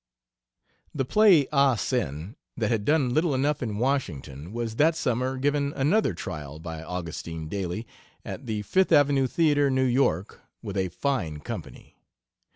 The play, "Ah Sin," that had done little enough in Washington, was that summer given another trial by Augustin Daly, at the Fifth Avenue Theater, New York, with a fine company.